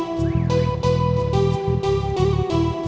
gak usah bawa misalnya